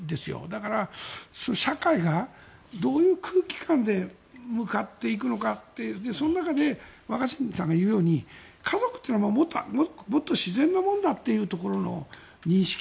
だから、社会がどういう空気感で向かっていくのかってその中で若新さんが言うように家族というのはもっと自然のものの認識。